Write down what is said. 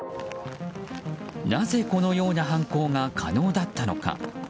なぜ、このような犯行が可能だったのか。